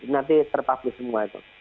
nanti terpaksa semua itu